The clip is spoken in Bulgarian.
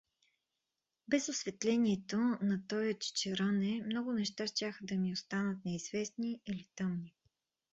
Без осветлението на тоя чичероне много неща щяха да ми останат неизвестни или тъмни.